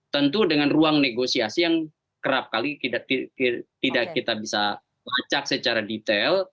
tentu dengan ruang negosiasi yang kerap kali tidak kita bisa lacak secara detail